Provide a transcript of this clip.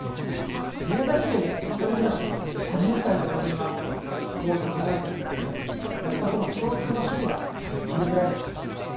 宮崎県に住む１人暮らしの８０歳の老人は遠く離れて暮らす息子との共通の趣味がヒルクライムでした。